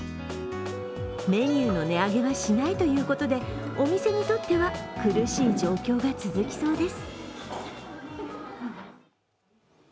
メニューの値上げはしないということでお店にとっては、苦しい状況が続きそうです。